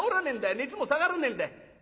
熱も下がらねえんだ。